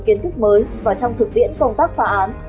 kiến thức mới và trong thực tiễn công tác phá án